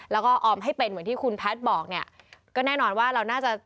แล้วก็ออมให้เป็นเหมือนที่คุณแพทย์บอกเนี่ยก็แน่นอนว่าเราน่าจะ